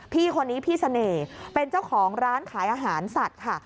พี่คนนี้พี่เสน่ห์เป็นเจ้าของร้านขายอาหารสัตว์ค่ะ